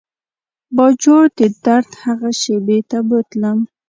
باجوړ د درد هغې شېبې ته بوتلم.